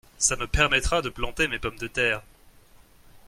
Ca me permettra de planter mes pommes de terre !